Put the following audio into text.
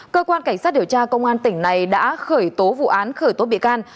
cơ quan cảnh sát điều tra công an tỉnh này đã khởi tố vụ án khởi tố bị can